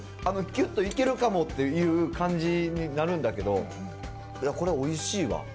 きゅっといけるかもっていう感じになるんだけど、これはおいしいわ。